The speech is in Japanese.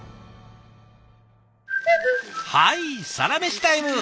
はいサラメシタイム！